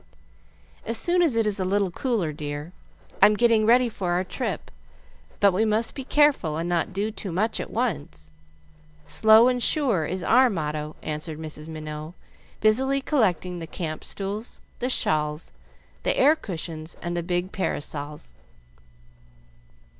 "As soon as it is a little cooler, dear, I'm getting ready for our trip, but we must be careful and not do too much at once. 'Slow and sure' is our motto," answered Mrs. Minot, busily collecting the camp stools, the shawls, the air cushions, and the big parasols.